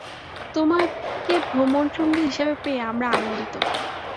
তোমাকে ভ্রমনসঙ্গী হিসেবে পেয়ে আমরা আনন্দিত।